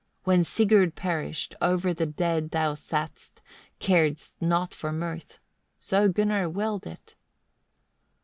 When Sigurd perished, o'er the dead thou satst, caredst not for mirth so Gunnar willed it.